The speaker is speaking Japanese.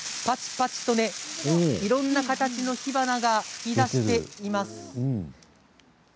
パチパチといろんな形の火花が噴き出しています。